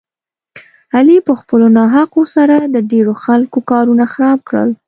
علي په خپلو ناحقو سره د ډېرو خلکو کارونه خراب کړل.